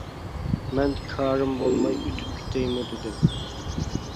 مەن كارىم بولماي ئۆتۈپ كېتەيمۇ دېدىم.